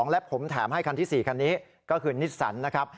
และผมแถมให้คันที่๔คันนี้ก็คือนิสสันนะครับ